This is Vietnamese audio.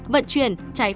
vận chuyển trái phá